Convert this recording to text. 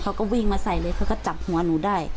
เขาก็วิ่งมาใส่เลยเขาก็จับหัวหนูได้